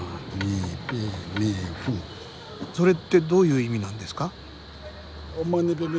それってどういう意味なんですか？